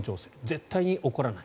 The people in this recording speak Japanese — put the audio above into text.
絶対に怒らない。